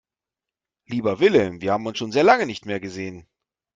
Lieber Wilhelm, wir haben uns schon so lange nicht mehr gesehen.